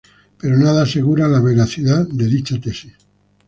Pero nada asegura la veracidad de dicha tesis.